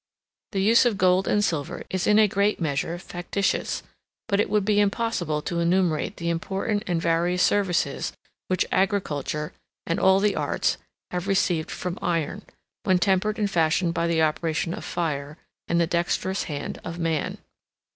The use of gold and silver is in a great measure factitious; but it would be impossible to enumerate the important and various services which agriculture, and all the arts, have received from iron, when tempered and fashioned by the operation of fire and the dexterous hand of man.